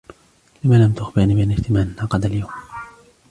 لمَ لمْ تخبرني بأنّ اجتماعًا انعقد اليوم؟